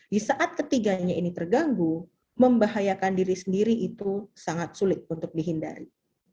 di saat ketiganya ini terganggu membahayakan diri sendiri itu sangat sulit untuk dihindari